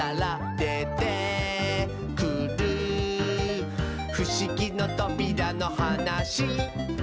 「でてくるふしぎのとびらのはなし」